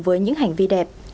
với những hành vi đẹp